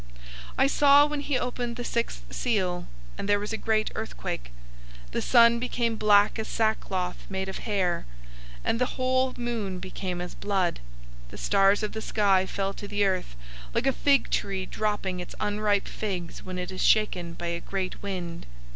006:012 I saw when he opened the sixth seal, and there was a great earthquake. The sun became black as sackcloth made of hair, and the whole moon became as blood. 006:013 The stars of the sky fell to the earth, like a fig tree dropping its unripe figs when it is shaken by a great wind.